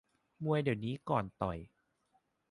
มวยเดี๋ยวนี้ก่อนต่อย